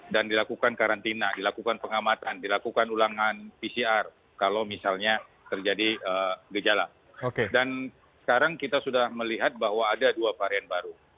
dan sekarang kita sudah melihat bahwa ada dua varian baru